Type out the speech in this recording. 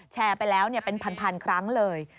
แชร์ไปแล้วเป็นพันครั้งเลย